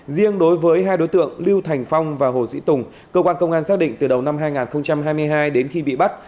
riêng đối với hai đối tượng lưu thành phong và hồ sĩ tùng cơ quan công an xác định từ đầu năm hai nghìn hai mươi hai đến khi bị bắt